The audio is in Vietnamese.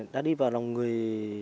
đã đi vào lòng người